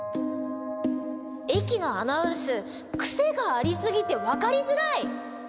えきのアナウンスクセがありすぎてわかりづらい！